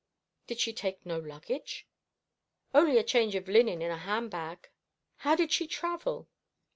"Did she take no luggage?" "Only a change of linen in a handbag." "How did she travel?"